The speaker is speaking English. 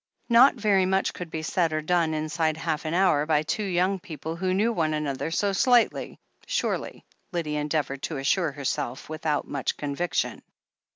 Not very much could be said or done inside half an hour by two young people who knew one another so slightly, surely, Lydia endeavoured to assure herself, without much conviction.